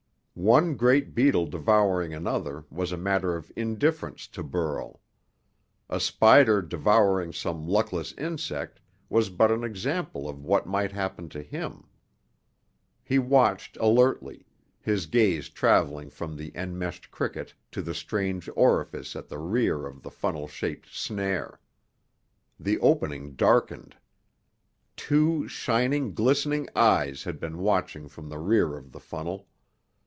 One great beetle devouring another was a matter of indifference to Burl. A spider devouring some luckless insect was but an example of what might happen to him. He watched alertly, his gaze traveling from the enmeshed cricket to the strange orifice at the rear of the funnel shaped snare. The opening darkened. Two shining, glistening eyes had been watching from the rear of the funnel.